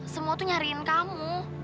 semua tuh nyariin kamu